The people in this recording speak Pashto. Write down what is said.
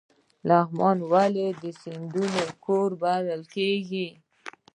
لغمان ولې د سیندونو کور بلل کیږي؟